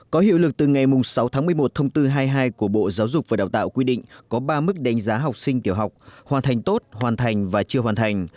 có hiệu lực từ ngày sáu tháng một mươi một thông tư hai mươi hai của bộ giáo dục và đào tạo quy định có ba mức đánh giá học sinh tiểu học hoàn thành tốt hoàn thành và chưa hoàn thành